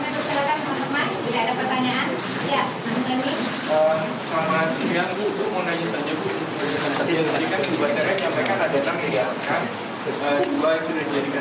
tuan berapa banyak yang diambalkan